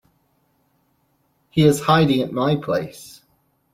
He is hiding at my place.